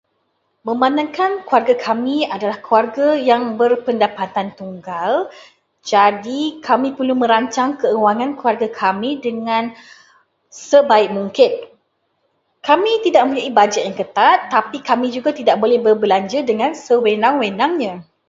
Memandangkan keluarga kami adalah keluarga yang berpendapatan tunggal, jadi kami perlu merancang kewangan keluarga kami dengan sebaik mungkin. Kami tidak mempunyai bajet yang ketat, tetapi kami juga tidak boleh berbelanja dengan sewenang-wenangnya.